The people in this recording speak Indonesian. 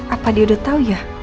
apa dia udah tau ya